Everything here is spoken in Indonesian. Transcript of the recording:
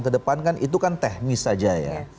ke depan kan itu kan tehmis saja ya